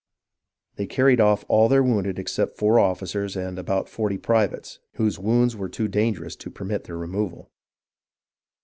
They carried off all their wounded except four officers and about forty privates, whose wounds were too danger ous to permit their removal.